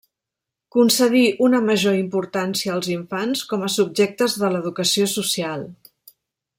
Concedí una major importància als infants com a subjectes de l'educació social.